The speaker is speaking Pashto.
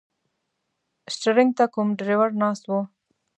شټرنګ ته کوم ډریور ناست و.